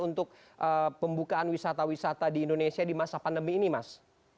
untuk pembukaan wisata wisata di indonesia di masa pandemi ini mas